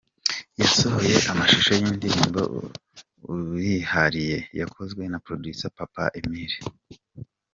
Yasohoye amashusho y’indirimbo ‘Urihariye’ yakozwe na Producer Papa Emile.